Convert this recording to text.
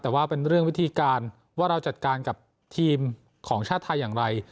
แต่ว่าเป็นเรื่องวิธีการว่าเราจัดการกับทีมของชาติไทยอย่างไร